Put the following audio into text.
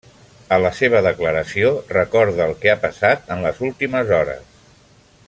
A la seva declaració recorda el que ha passat en les últimes hores.